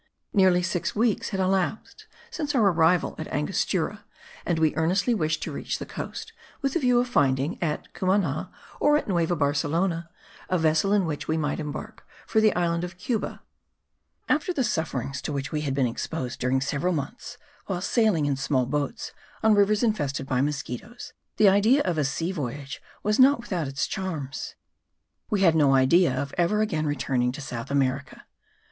Nearly six weeks had elapsed since our arrival at Angostura; and we earnestly wished to reach the coast, with the view of finding, at Cumana, or at Nueva Barcelona, a vessel in which we might embark for the island of Cuba, thence to proceed to Mexico. After the sufferings to which we had been exposed during several months, whilst sailing in small boats on rivers infested by mosquitos, the idea of a sea voyage was not without its charms. We had no idea of ever again returning to South America.